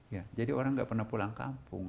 ya jadi orang nggak pernah pulang kampung